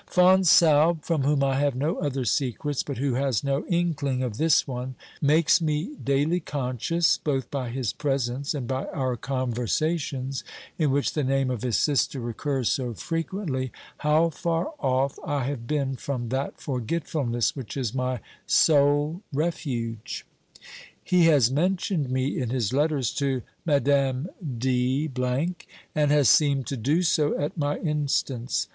Fonsalbe, from whom I have no other secrets, but who has no inkling of this one, makes me daily conscious, both by his presence and by our conversations, in which the name of his sister recurs so frequently, how far off I have been from that forgetfulness which is my sole refuge. 382 OBERMANN He has mentioned me in his letters to Madame D , and has seemed to do so at my instance.